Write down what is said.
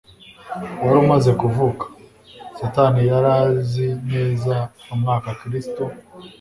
wari umaze kuvuka. Satani yari azi neza umwanya Kristo